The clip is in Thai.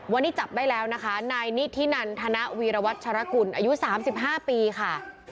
วันนี้จับได้แล้วนะคะนายนิธินันธนวีรวัชรกุลอายุ๓๕ปีค่ะ